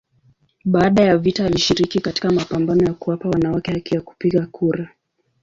Baada ya vita alishiriki katika mapambano ya kuwapa wanawake haki ya kupiga kura.